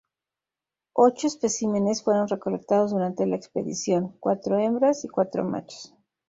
Ocho especímenes fueron recolectados durante la expedición, cuatro hembras y cuatro machos.